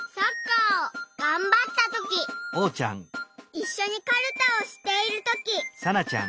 いっしょにかるたをしているとき。